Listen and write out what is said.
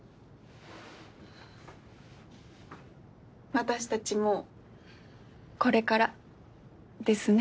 私たちもこれからですね。